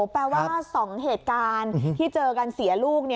แปลว่า๒เหตุการณ์ที่เจอกันเสียลูก